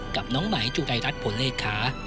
กับน้องไหมจุกัยรัฐผลเลขา